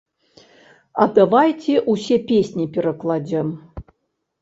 А давайце ўсе песні перакладзем.